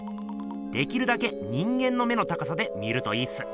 できるだけ人間の目の高さで見るといいっす。